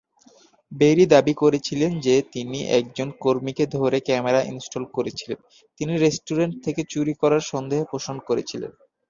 বেরি দাবি করেছিল যে তিনি একজন কর্মীকে ধরতে ক্যামেরা ইনস্টল করেছিলেন, যিনি রেস্টুরেন্ট থেকে চুরি করার সন্দেহ পোষণ করেছিলেন।